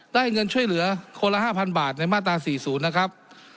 ได้เงินช่วยเหลือคนละห้าพันบาทในมาตราสี่ศูนย์นะครับ